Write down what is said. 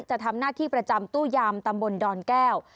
จะทำหน้าที่ประจำตู้ยามตำบลดอนแก้ว